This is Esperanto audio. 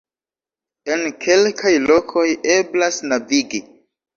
En kelkaj lokoj eblas navigi.